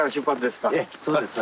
ええそうです。